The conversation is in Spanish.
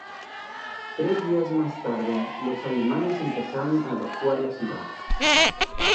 Tres días más tarde, los alemanes empezaron a evacuar la ciudad.